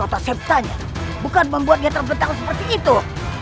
kau tak sebutan bukan membuatnya terbentang seperti itu